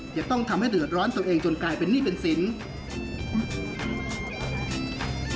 จะต้องทำให้เดือดร้อนตัวเองจนกลายเป็นหนี้เป็นสิน